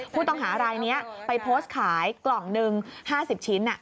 ผู้ต้องหารายนี้ไปโพสต์ขายกล่องหนึ่ง๕๐ชิ้น